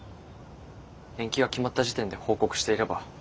延期が決まった時点で報告していれば。